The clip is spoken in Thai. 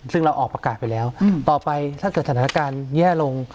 ซึ่งเราออกประกาศไปแล้วต่อไปถ้าเกิดสถานการณ์แย่ลง